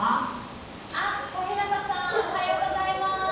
あっ小日向さんおはようございます。